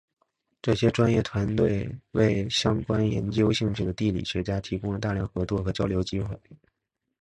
这些专业团体为相关研究兴趣的地理学家提供了大量合作和交流机会。